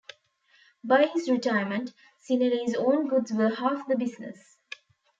By his retirement, Cinelli's own goods were half the business.